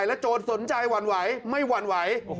และโจรสนใจวไหวไม่วไหว